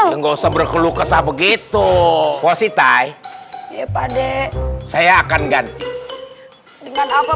enggak usah berkeluh kesah begitu posi tai ya pade saya akan ganti dengan apa